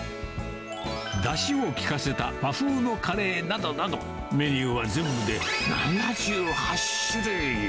だしを利かせた和風のカレーなどなど、メニューは全部で７８種類。